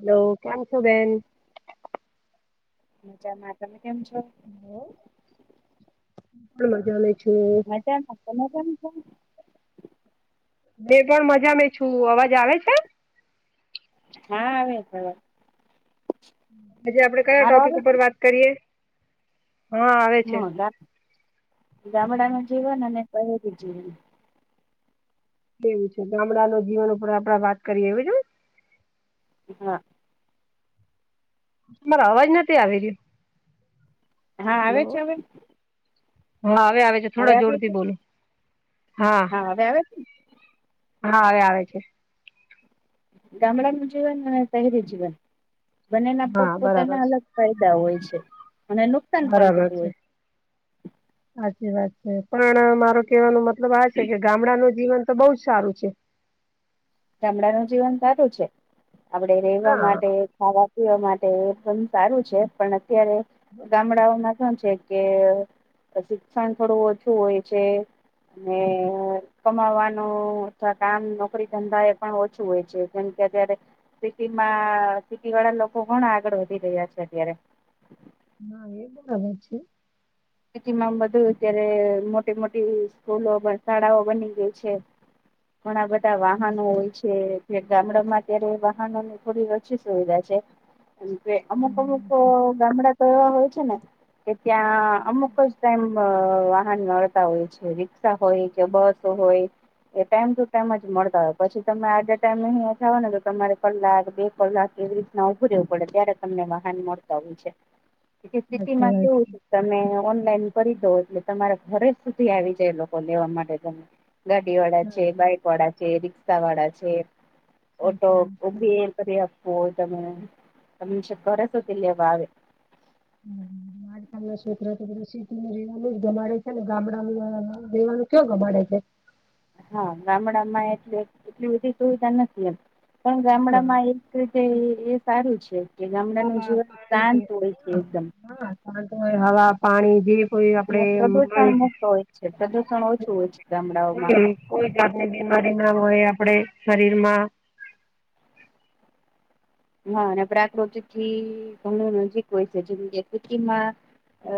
Hello કેમ છો બેન ત તમે કેમ છો હું પણ મજાને છું. પણ બે પણ મજા મે છું અવાજ આવે છે. હા આવે હવે હજ આપડે કયા મારો આવે ટોપિક છે? ઉપર વાત કરીએ હા આવે છે હા ગામડામાં જીવન અને પહેરી જીવન. તેવું છે ગામડા ન જીવન ઉપર આપડે વાત કરીએ એવી છેને હા મારા અવાજ નથી આવી રહ્યો. હા આવે હેલો છે હવે? હા હવે આવે છે હવે થોડા આવે જોર છે? થી બોલો હા હા આવે છે ને હાવે આવે છે ગામડાનુંું જીવન અને શહેરી જીવન બંનેના હા બરાબર પોતપોતાના છે અલગ ફાયદા હોય છે અને નુકસાન પણ બરાબર થતું છે હોય સાચી વાત છે પણ મારો કેવાનું મત મતલબ આ છે કે ગામડાનું જીવન તો બહુ જ સારું છે. ામડાંનું જીવન સારું છે આપડે રહેેવા હા માટે ખાવાતીઓ માટે એ સારું છે પણ અત્યારે ગામડાઓમાં શું છે. કે શિક્ષણ થોડું ઓછું હોય છે કમાવાનું અથવા કામ નોકરી ધંધા એ પણ ઓછું હોય છે કેમ કે અત્યારે સિટીમાં સિટી વાળા લોકો ઘણા આગળ વધી રહ્યા છે અત્યારે હા એ પણ આવે છે સ્થિતટી માં બધું અત્યારે મોટી મોટી સ્કૂલો શાળાઓ બની ગય છે. ઘણા બધા વાહનો હોય છે. ગામડા માં અત્યારે વાહનોની થોડી ઓછી સુવિધા છે. એમ જે અમુક અમુક ગામડા તો એવા હોય છે ને કે ત્યાં અમુક જ તેમ વાહન મળતા હોય છે રિક્ષા હોય કે બસ હોય એ ટાઈમ ટુ ટાઈમ જ મળતા હોય પછી તમે આજે ટાઈમે ન જાવ ને તો તમારે કલાક બે કલાક એવી રીતે ત્યાં ઉભું રહેવું પડે ત્યારે તમને વાહન મળતા હોય છે સાચી સિટીમાં વાત કેવું છે તમે ઓનલાઈન કરી દો એટલે તમારા ઘરે સુધી આવી જાય એ લોકો લેવા માટે તમે ગાડી વાળા છે સાચી બાઈક વાળા છે રિક્ષા વાળા છે સાચી વાત ઓટો છે. ઉબેર કરી આપો તમે તમને છેક ઘરે સુધી લેવા આવે [inaudible] છોક છોક શીતું રેવાનું જ ગમાડે છે ને ગામડા રહેેવાનું ક ગમાડે છે [unintelligible] હા ગામડામાં એટલે એટલી બધી સુવિધા નથી એમ, પણ હા, ગામડામાં એ એટલે જે એ સારું છે કે ગામડાનું હવા જીવન શાંત પાણી હોય છે હા એકદમ હા, હવા પાણી જે કોઈ અને આપડે પ્રદુષણ મળી મુક્ત હોય છે પ્રદુષણ ઓછું હોય છે ગામડાઓમાં હોય કોઈ કોઈ જાતની બીમારી ના હોય આપડે શરીરમાં હા અને પ્રાકૃતિ થી, ઘણું નજીક હોય છે જેમાં અ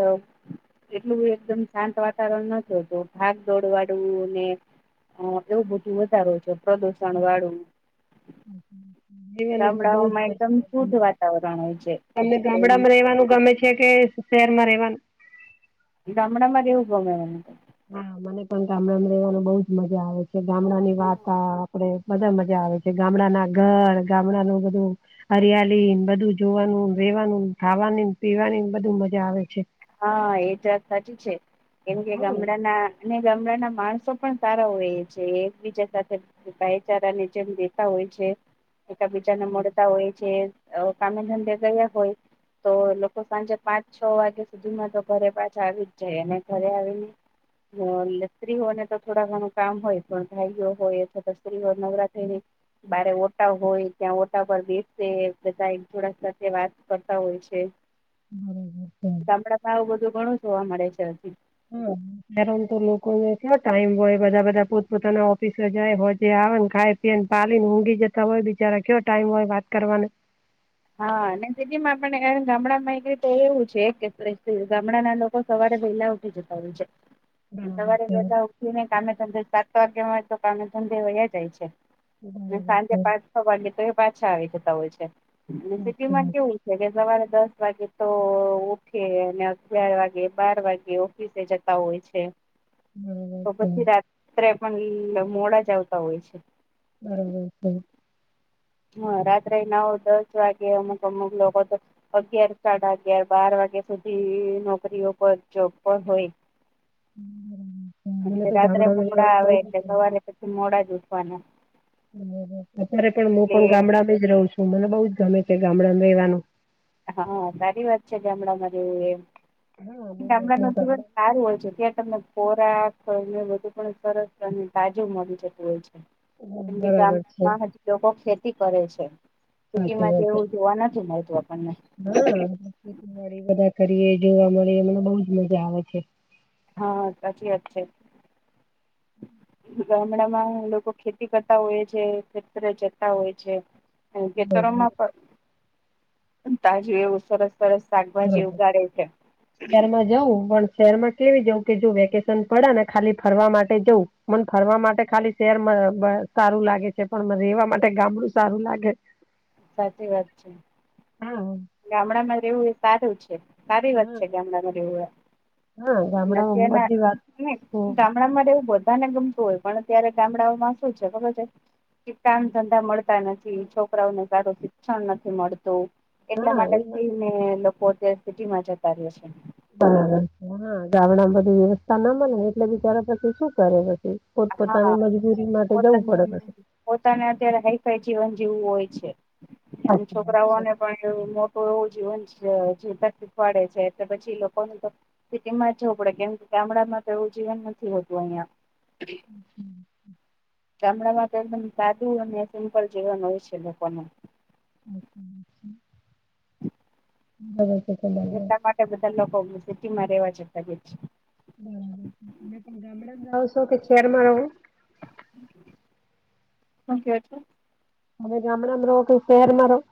એટલુંબધુ એકદમ શાંત વાતાવરણ નથી હોતું ભાગ દોડ વાડુ ને એવું બધું વધારે હોય છે પ્રદુષણ વાળું દિવાલી ભી બહજ ગામડાઓમાં મજા એકદમ આવે શુદ્ધ તને વાતાવરણ હોય છે [unintelligible] તમને તેમ ગામડામાં રહેવાનું ગમે છે કે શહેરમાં રહેવાનું ગામડામાં રેવુ ગમે મને તો હા મને પણ ગામડામાં રેવાનું બહુજ મજા આવે છે ગામડા ની વાર્તા આપડે બધા મજા આવે છે ગામડાના ઘર ગામડાનું બધું હરિયાલી બધું જોવાનું રેવાનું ખાવાની પીવાની બધું મજા આવે છે. હા એજ વાત સાચી છે કેમ કે હમ ગામડાના અને ગામડાના માણસો પણ સારા હોય છે એકબીજા સાથે ભાઈચારા ની જેમ રેતા હોય છે એકબીજાને મળતા હોય છે. કામેધંધે ગયા હોય તો લોકો સાંજે પાંચ છ વાગે સુધી મા તો ઘરે પાછા આવી જ જાય અને ઘરે આવી ને એટલે સ્ત્રીઓને તો થોડા ઘણું કામ હોય ભાઈઓ હોય અથવા તો સ્ત્રીઓ નવરાત્રીની બારે ઓટા હોય ત્યાં ઓટા પર બેસે બધા એક જોડા સાથે વાત કરતા હોય છે. હમ્મ ગામ ભાવ બધું ઘણું જોવા મળે છે હજી હમ્મ શહેરો મા તો લોકોને કયાં ટાઈમ હોય બધા બધા પોત પોતાના ઓફિસ જાય હોજે આવે ને ખાય એ પાલીને ઊંઘી જતા હોય બિચારા કયો ટાઈમ હોય વાત કરવાનો હા અને સીટીમાં પણ ગામડામાં એક રીતે એવું છે કે ગામડાના લોકો સવારે વહેલા ઉઠી જતા હોય છેે, બરાબર સવારે છે વહેલા ને કામે ધંધે સાત વાગ્યામાં તો કામે ધંધે વયા જાય છે. અને બરાબર છે સાંજે સાચી પાંચ છ વાગે તો એ પાછા આવી જતા હોય છે. અને સિટીમાં વાત કેવું છે કે સવારે દસ વાગે તો ઉઠે અને અગિયાર વાગે બાર વાગે ઓફિસે જતા હોય છે. બરાબર તો છે પછી રાત્રે પણ મોડા જ આવતા હોય છે. હમ્મ હમ્મ હા રાત્રે નવ દસ વાગે અમુક અમુક લોકો તો અગિયાર સાડા અગિયાર બાર વાગ્યા સુધી નોકરીઓ પર જોબ પર હોય મને કેમકે તો રાત્રે ગામડામાં મોડા રહેવાનું બહુ આવે જ એટલે ગમે સવારે પછી મોડા જ ઉઠવાના અત્યારે પણ હું એટલે પણ ગામડા જ રહું છું મને બઉ જ ગમે છે ગામડામાં રહેવાનું. હા સારી વાત છે ગામડામાં જેવું હા બહુ એ ગામડા નો મોટું જીવન ગામડું. સારું હોય છે ત્યાં તમને ખોરાકને બધુ પણ સરસ અને તાજું મળી જતું હોય છે હમ, કેમ કે બરાબર ગામડા છે માજ લોકો ખેતી કરે છે સીટી સાચી માં વાત છે જેવું જોવા નથી મળતું આપણને હા ખેતી બધા કરીએ જોવા મળીએ મને બહજ મજા આવે છે હા સાચી વાત છે [inaudible] ગામડામાં લોકો ખેતી કરતા હોય છે ખેતરે જતા હોય છે ખેતરોમાં પણ તાજું એવું સરસ સરસ શાકભાજી ઉગાડે છે પછી જાઉં [unintelligible] શહેર માં કેવી જઉં કે જો વેકેશન પડે ને ખાલી ફરવા માટે જઉં મને ફરવા માટે ખાલી શહેરમાં સારું લાગે છે પણ રહેેવા માટે ગામડું સારું લાગે સાચી વાત છે હા ગામડા માં રહેવું એ સારું છે સારી વાત હા છે ગામડામાં રહેવું એ હા અને ગામડામાં બધી વાત તના હમ ગામડામાં એવું બધાને ગમતું હોય પણ અ્યારે ગામડાઓમાં શું છે ખબર છે કે કામ ધંધા મળ નથી છોકરાઓને સારું શિક્ષણ નથી મળતું એટલા હા એ માટે વાત અને લોકો અત્યારે સિટી માં જતા રહે છે બરાબર છે હા ગામડામાં બધી વ્યવસ્થા ના બને એટલે બિચારા પછી શું કરે પછી હા પોતપોતાની મજબૂરી માટે જવું પોતાનું પડે પોતાને અત્યારે હાઈફાઈ જીવન જીવવું હોય છે એ સાચી વાત છે છોકરાઓને પણ એ મોટું એવું જીવન જે તકફ પડે છે એલે પછી લોકોનું તો સિટીમાં જવું પડે કેમ ગામડામાં તો એવું જીવન નથી હોતું અહિયાં મ હમ ગામડામાં તો એકદમ સાદું અને સિમ્પલ જીવન હોય છે લોકોનું અચ્છાચછા બરાબ એટલા માટે બધા લોકો સિટી માં રેવા જતા ગ છે બરાબર પણ ગામડાશો કે શેરમાં રહો હમ શું કયો છો. તમે ગામડા માં રયો કે શહેરમાં રયો.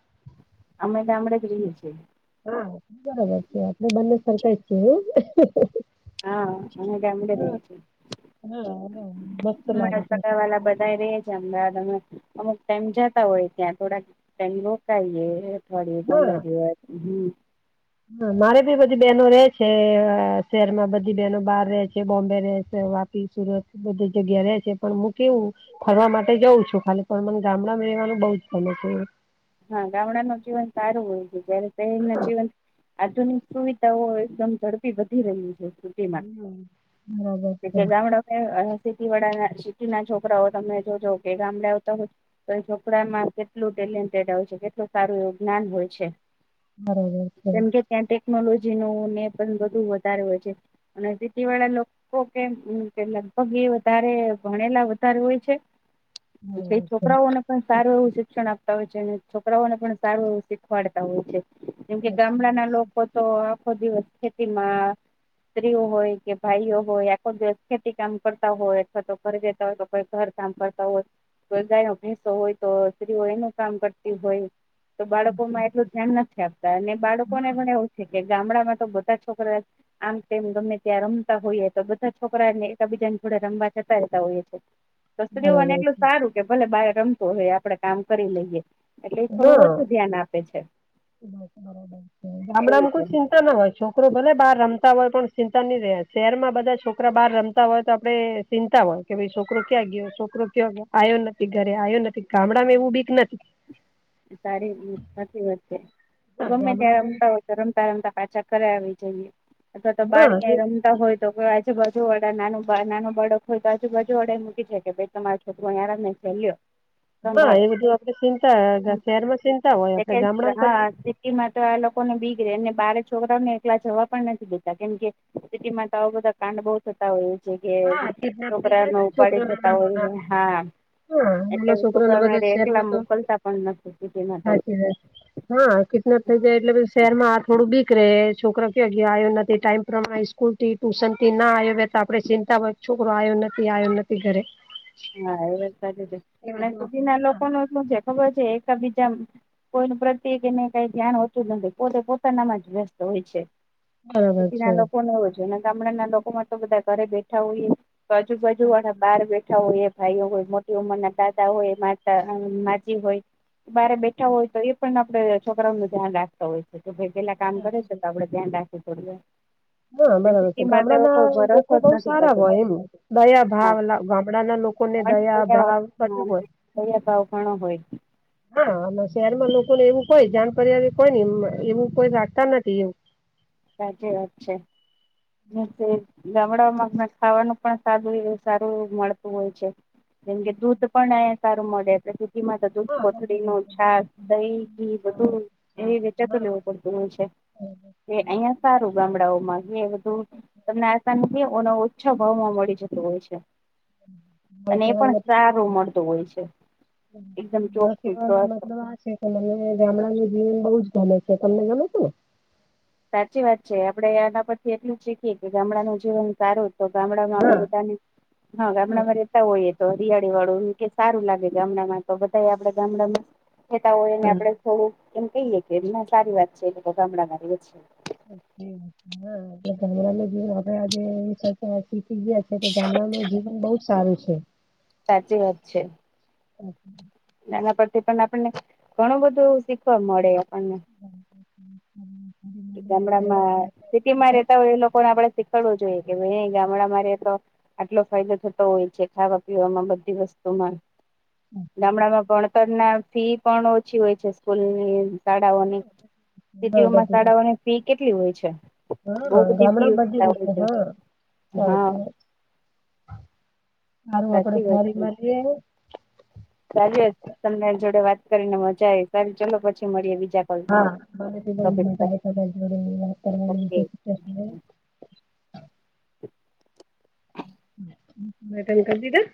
અમે ગામડે જ રહીએ છીએ. હા આપ બરાબર છે આપણે બંને સરખ છે વું. હા અમે ગામડે રહીએ છીએ. હા હા મસ્ત હણા લાગે છે પગ વાલા બધા ર છે અમદાવાદ અમે અમુક ટાઈ જતા હોય ત્યાં થોડાક ટમ રોકાઈએ અઠવાડિ હા પંદર દિવસ હમ હા મારે ભી બધી બહેનો ર છે શહેર માં બધી બહેનો બહાર ર છે બોમ્બે ર છે સુરત બધી જગ્યા ર છે પણ હું કેવું ફરવા માટે જઉં છું ખાલી પણ મને ગામડામાં રહેવાનું બઉ જ બને છે હા ગામડા ન જીવન સારું હોય છે જયારે શહેર ના જીવન આધુનિક સુવિધાઓ એકદમ ઝડપી વધી ર્યું છે સિટીમાં હ બરાબર છે એટલે સિટી વાળા સિટી ના છોકરાઓ તમે જોજો કે ગામડે આવતા હો તો છોકરામાં કેટલું ટેલેન્ટેડ આવે છે કેટલું સારું એવું જ્ઞાન હોય છે બરાબર છે કેમ કે ત્યાં ટેકનોલોજી ન ને પણ બધું વધારે હોય છે અને જેતી વાળા લોકો તો કે કે લગભગ એ વધારે ભણેલા વધારે હોય છે એટલે બરાબર છે છોકરાઓને પણ સારું એવું શિક્ષણ આપતા હોય છે. છોકરાઓને પણ સારું એવું શીખવાડતા હોય છે જેમકે સાચી વાત ગામડાના છે લોકો તો આખો દિવસ ખેતીમાં સ્ત્રીઓ હોય કે ભાઈઓ હોય આખો દિવસ ખેતી કામ કરતા હોય અથવા તો ઘ દેતા હોય તો ઘર સાંભળતા હોય તો ભેંસો હોય તો સ્ત્રીઓ એનું કામ કરતી હોય તો બાળકોમાં એટલું ધ્યાન નથી આપતા અને બાળકોને હા પણ ગામડામાં તો બધા છોકરા આમ તેમ ગમે ત્યાં રમતા હોઈએ તો બધા છોકરાને એકબીજાની જોડે રમવા જતા રહેતા હોયએ છે. તો સ્ત્રીઓને બરાબર એટલું છે હા સારું કે ભલે બાય રમતો હોય આપડે કામ કરી લઈએ. એટલે હ થોડું ઓછું ધ્યાન આપે છે એવું ગામડામાં કોઈ છે ચિંતા ન હોય. છોકરો ભલે બહાર રમતા હોય પણ ચિંતા નહી રહ્યા શહેરમાં બધા છોકરા બહાર રમતા હોય તો આપડે ચિંતા વોય કે ભાઈ છોકરો ક્યાં ગયો છોકરો કયો ગયો આવ્યો નથી ઘરે આવ્યો નથી ગામડામાં એવું બીક નથી. સારીતી વે તો હા ગમે ત્યા્યારે ગામડામાં રમતા હોય રમતા રમતા પાછા કરે આવી જઈએ અથવા તો બાર હા એ ક્યાંય રમ હોય તો આજુ બાજુ વડા નાનું નાનું બળક હોય તો આજુ બાજુ વડા મૂકી જકે તમારા છોકરો યાં રમે છે લો. હા એ બધું આપડે ચિંતા શહેરમાં ચિંતા હોય આપડે ગામડામાં કરી એમાં તો આ લોકોને બીગે રે ને બારે છોકરાઓને એકલા જવા પણ નથી બધતા કેમ કે સુટીમાં આવ બોતાા કાંડ બો થતા હોય છે કે હા કિડનેપ થઈ છોકરા જાય ને છે ઉપાડી છોકરા નાના જતા નાના હોય હા. હા એટલે છોકરા એકલા મોકલતા પણ નથી સિટીમાં તો હાચી વાત હા કિટનાપ થઈ જાય એટલે શહેરમાં થોડું બીક ર છોકરા ક્યાં ગયો આવ્યો નથી ટાઈમ પ્રમાણે સ્કૂલ થી ટુશન થી ના આવ્યો બે તો આપડે ચિંતા છોકરો આવ્યો નથી આવ્યો નથી ઘરે. હા એ વાત સાચી છે એ અને બધું સિધી ના લોકોનું શું છે ખબર છે એક બીજા કોઈનું પ્રત્યે એને કઈ ધ્યાન હોતું જ નથી પોતે પોતાનામાં જ વ્યસ્ત હોય છે. બરાબર ખેટી છે ના લોકોને એવો જોને ગામડાના લોકો માં તો બધા ઘરે બેઠા હોઈએ બાજુ બાજુ વાળા બાર બેઠ બેઠા હોય ભાઈઓ હોય મોટી ઉંમર ના દાદા હોય માતા માજી હોય. બારે બેઠા હોય તો એ પણ આપડે છોકરાઓ નુ ધ્યાન રાખતા હોય છે. તો ભાઈ પેલા કામ કરે છે તો આપડે ધ્યાન રાખએ થોડ હા બરાબર છે ગામડાના લોકો જ બઉ નથી સારા થતો હોય એમ દયા હા ભાવ ગામડાના લોકો લોકોને ભણ દયા ભાવ બધૂ હોય થયા ભાવ ઘણો હોય હા અને શહેરમાં લોકોને એવું કોઈ જાન પર્યા કોઈ એમ કોઈ રાખતા નથી એવું સાચી વાત છે ગામડામાં ખાવાનું પણ સદું સારું મળતું હોય છે જેમકે દૂધ પણ અહીયા સારું મળેે ધ હા બધી કોથળી નું રીતે છાક દહી ઘી બધું એ વેચાતો લેવું પડતું હોય છે. મારો એ અહિયાં સારું. ગામડાઓમાં બધું તમને આસા ઓછા ભાવ માં મળી જતું હોય છે. [unintelligible] અને એ પણ સારું મળતું હોય છે એકદમ મારો ચોખ્ખું કેવાનો સ્વસ્થ. મતલબ આ છે. મને ગામડા મ્યુઝયમ બઉુ જ ગમે છે તમને ગમે છે ને. સાચી વાત છે આપડે આના પરથી એટલું જ શીખીએ કે ગામડા નું જીવન સારું. તો ગામડામાં આપડે બધાને હા ગામડામાં હોઈએ તો રિયાળી વાળું કે સારું લાગે ગામડામાં તો બધા આપડા ગામડામાં જતા હોયને બરાબર આપડે એવું થોડું એમ કહીયએ કે સારી વાત છે એ ગામડામાં રયે છે. ગ આપડે આજે સીટી છે ગામડાનું જીવન બઉ જ સારું છે. સાચી વાત છે હમ્મ નાના પરથી પણ આપણને ઘણું બધું શીખવા મળે આપણને ગામડામાં સિટીમાં રેતા હોય એ લોકોને આપડે શીખડવું જોઈએ કે ભાઈ ગામડામાં રેતો આટલો ફાયદો થતો હોય છે ખાવા પીવામાં બધી વસ્તુમાં ગામડામાં ભણતર ના ફી પણ ઓછી હોય છે સ્કૂલની શાળાઓની હા સિટીઓમાં બધી રીતે શાળાઓની ફી કેટલી હોય છે હા બહ બધી ફી ગામડા બધી હોય રીતે છે હા હા [unintelligible] સારું આપડે સાચી ફરી મળએ સાજે તમને જોડે વાત કરીને મજા આવીારી ચાલલો પછી મળીએ બીજા કોલ હા મારે ટોપિક પર મજાા જોડે ઓકે વાતરવાળ [unintelligible]